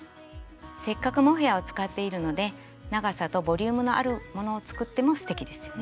せっかくモヘアを使っているので長さとボリュームのあるものを作ってもすてきですよね。